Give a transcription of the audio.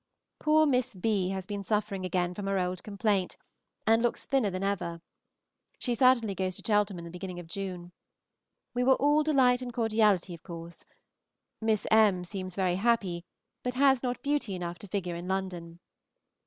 Poor Miss B. has been suffering again from her old complaint, and looks thinner than ever. She certainly goes to Cheltenham the beginning of June. We were all delight and cordiality, of course. Miss M. seems very happy, but has not beauty enough to figure in London.